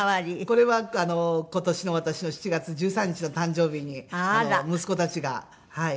これは今年の私の７月１３日の誕生日に息子たちがプレゼントをくれまして。